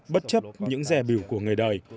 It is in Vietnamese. bất chấp những rè biểu của người đời